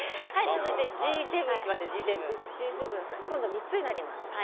今度は３つになります。